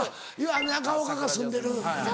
中岡が住んでる。